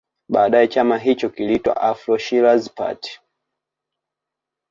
Baadae chama hicho kiliitwa Afro Shirazi Party